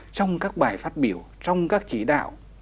trong các bài phát biểu trong các chỉ đạo